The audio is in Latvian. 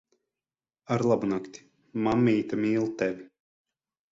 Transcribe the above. Arlabunakti. Mammīte mīl tevi.